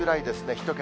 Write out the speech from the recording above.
１桁。